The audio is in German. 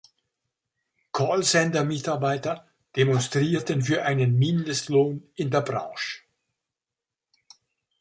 Callcenter-Mitarbeiter demonstrierten für einen Mindestlohn in der Branche.